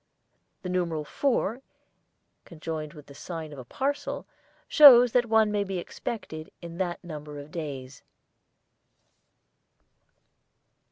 The numeral '4' conjoined with the sign of a parcel shows that one may be expected in that number of days.